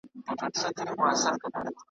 دبدبه مې د خوشال ده، ستر خوشال یم